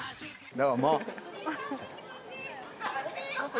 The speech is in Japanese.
どうも。